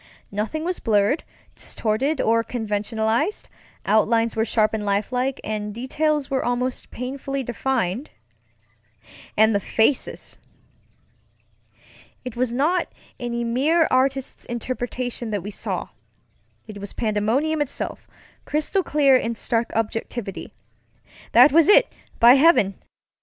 Nothing was blurred, distorted, or conventionalized; outlines were sharp and lifelike, and details were almost painfully defined. And the faces! It was not any mere artist's interpretation that we saw; it was pandemonium itself, crystal clear in stark objectivity. That was it, by heaven!